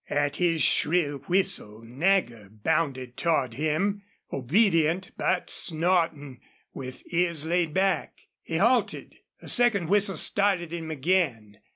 At his shrill whistle Nagger bounded toward him, obedient, but snorting, with ears laid back. He halted. A second whistle started him again.